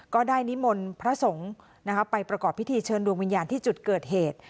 นิมนต์พระสงฆ์ไปประกอบพิธีเชิญดวงวิญญาณที่จุดเกิดเหตุ